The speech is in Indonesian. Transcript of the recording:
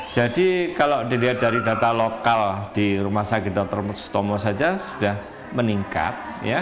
jadi kalau dilihat dari data lokal di rumah sakit otomotus saja sudah meningkat